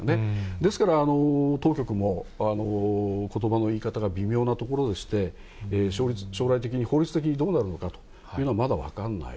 ですから、当局も、ことばのいい方が微妙なところでして、将来的に、法律的にどうなるのかというのは、まだ分からない。